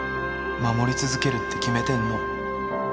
守り続けるって決めてんの